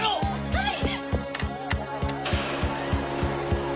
はい！